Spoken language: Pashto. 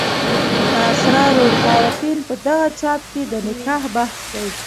د اسرار العارفین په دغه چاپ کې د نکاح بحث دی.